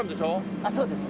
あっそうですね。